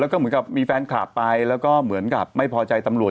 แล้วก็เหมือนกับมีแฟนคลับไปแล้วก็เหมือนกับไม่พอใจตำรวจ